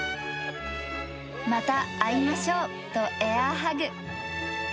また会いましょうとエアハグ。